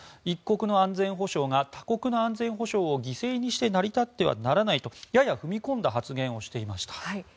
一国の安全保障が他国の安全保障を犠牲にして成り立ってはならないとやや踏み込んだ発言をしていました。